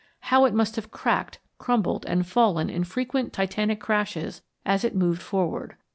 How it must have cracked, crumbled, and fallen in frequent titanic crashes as it moved forward.